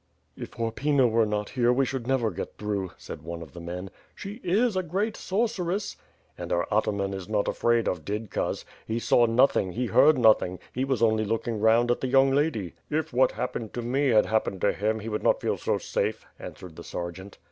"If Horpyna were not here, we should never get through," said one of the men. "She is a great sorceress.*' "And our Ataman is not afraid of ^didkas/ He saw nothing, he heard nothing; he was only looking round ait the young lady." "If what happened to me had happened to him, he would not feel so safe," answered the sergeant.